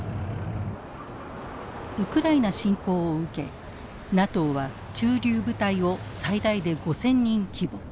ウクライナ侵攻を受けＮＡＴＯは駐留部隊を最大で５，０００人規模